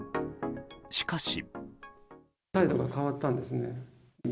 しかし。